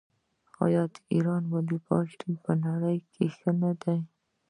آیا د ایران والیبال ټیم په نړۍ کې ښه نه دی؟